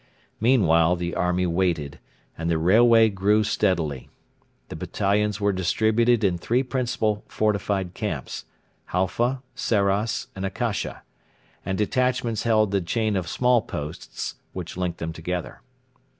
Meanwhile the army waited, and the railway grew steadily. The battalions were distributed in three principal fortified camps Halfa, Sarras, and Akasha and detachments held the chain of small posts which linked them together.